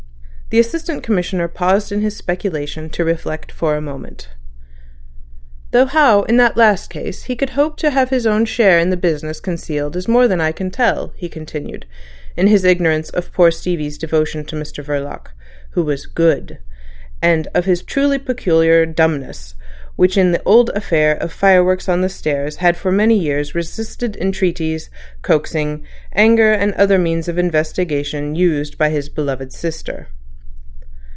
The Assistant Commissioner paused in his speculations to reflect for a moment. "Though how, in that last case, he could hope to have his own share in the business concealed is more than I can tell," he continued, in his ignorance of poor Stevie's devotion to Mr Verloc (who was good), and of his truly peculiar dumbness, which in the old affair of fireworks on the stairs had for many years resisted entreaties, coaxing, anger, and other means of investigation used by his beloved sister.